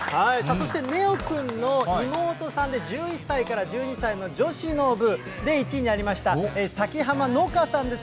そして、寧王君の妹さんで１１歳から１２歳の女子の部で１位になりました、崎浜望叶さんです。